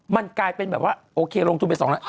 มันกลายเป็นแบบว่าโอเคลงทุนไป๒ล้าน